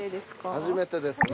初めてですね。